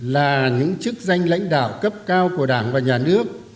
là những chức danh lãnh đạo cấp cao của đảng và nhà nước